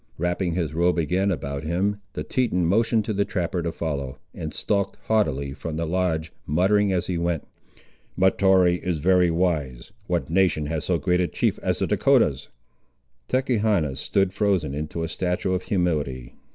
Wrapping his robe again about him, the Teton motioned to the trapper to follow, and stalked haughtily from the lodge, muttering, as he went— "Mahtoree is very wise! What nation has so great a chief as the Dahcotahs?" Tachechana stood frozen into a statue of humility.